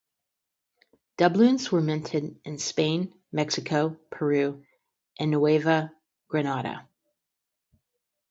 Doubloons were minted in Spain, Mexico, Peru, and Nueva Granada.